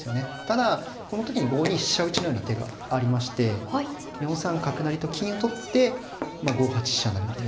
ただこの時に５二飛車打のような手がありまして４三角成と金を取って５八飛車成みたいな。